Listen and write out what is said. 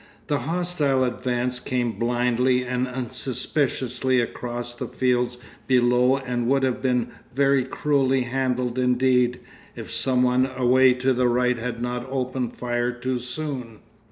The hostile advance came blindly and unsuspiciously across the fields below and would have been very cruelly handled indeed, if some one away to the right had not opened fire too soon.